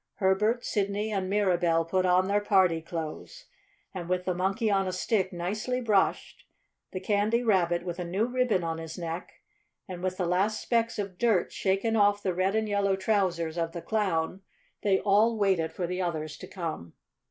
Herbert, Sidney and Mirabell put on their party clothes, and with the Monkey on a Stick nicely brushed, the Candy Rabbit with a new ribbon on his neck, and with the last specks of dirt shaken off the red and yellow trousers of the Clown, they all waited for the others to come.